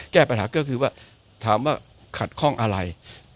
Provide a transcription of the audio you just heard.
แก้ปัญหาก็คือว่าถามว่าขัดข้องอะไร